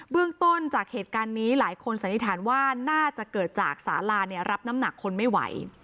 เรื่องต้นจากเหตุการณ์นี้หลายคนสันนิษฐานว่าน่าจะเกิดจากสาลารับน้ำหนักคนไม่ไหว